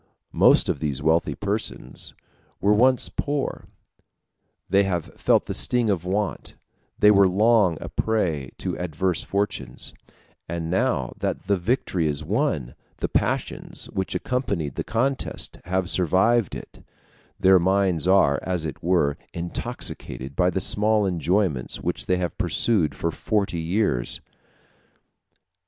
Most of these wealthy persons were once poor; they have felt the sting of want; they were long a prey to adverse fortunes; and now that the victory is won, the passions which accompanied the contest have survived it: their minds are, as it were, intoxicated by the small enjoyments which they have pursued for forty years.